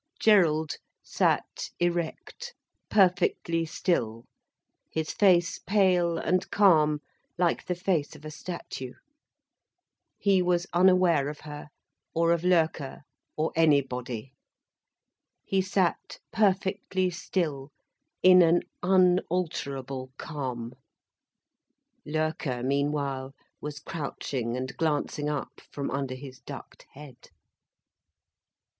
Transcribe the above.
Gerald sat erect, perfectly still, his face pale and calm, like the face of a statue. He was unaware of her, or of Loerke or anybody. He sat perfectly still, in an unalterable calm. Loerke, meanwhile, was crouching and glancing up from under his ducked head.